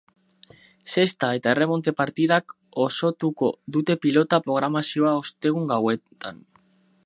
Zesta eta erremonte partidak osotuko dute pilota programazioa ostegun gauetan.